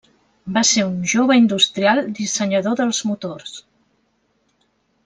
Va ser un jove industrial dissenyador dels motors.